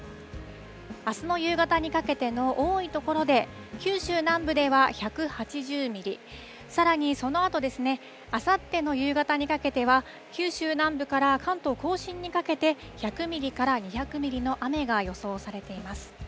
あすの夕方にかけての多い所で九州南部では１８０ミリ、さらにそのあと、あさっての夕方にかけては、九州南部から関東甲信にかけて、１００ミリから２００ミリの雨が予想されています。